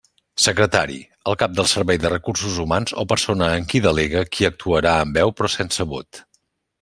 Secretari: el cap del servei de Recursos Humans o persona en qui delega, qui actuarà amb veu però sense vot.